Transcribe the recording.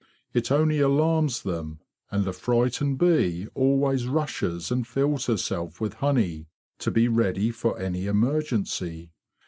It only alarms them, and a frightened bee always rushes and fills herself with honey, to be ready for any emergency.